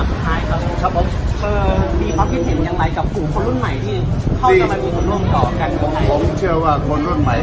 ผมมีความคิดเห็นอย่างไรกับขู่คนรุ่นใหม่